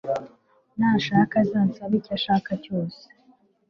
nashaka azansabe icyashaka cyose